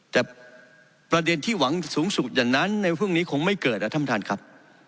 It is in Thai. แต่ประเด็นที่หวังสูงสุดอย่างนั้นในพรุ่งนี้คงไม่เกิดนะท่านประธานครับ